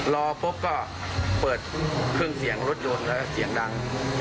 รอปุ๊บก็เปิดเครื่องเสียงรถยนต์แล้วก็เสียงดัง